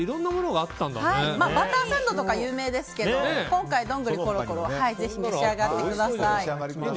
バターサンドとか有名ですけど今回、どんぐりころころぜひ召し上がってください。